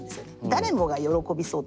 誰もが喜びそう。